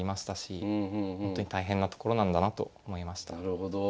なるほど。